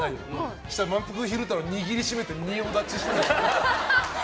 そうしたら、まんぷく昼太郎握りしめて仁王立ちしてた。